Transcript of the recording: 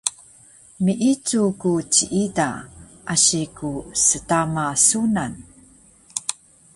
Miicu ku ciida, asi ku stama sunan